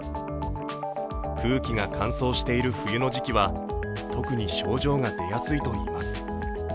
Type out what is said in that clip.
空気が乾燥している冬の時期は特に症状が出やすいといいます。